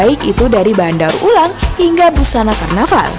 sebaik itu dari bandar ulang hingga busana karnaval